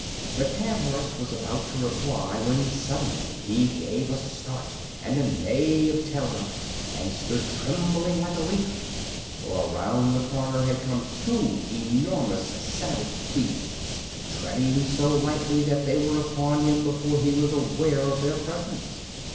The cab horse was about to reply when suddenly he gave a start and a neigh of terror and stood trembling like a leaf. For around the corner had come two enormous savage beasts, treading so lightly that they were upon him before he was aware of their presence.